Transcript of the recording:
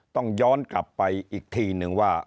ต้องย้อนกลับไปอีกทีนึงว่า